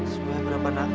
semuanya berapa nak